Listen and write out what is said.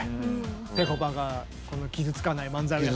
ぺこぱが傷つかない漫才をやったり。